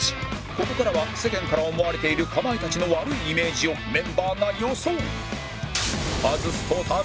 ここからは世間から思われているかまいたちの悪いイメージをメンバーが予想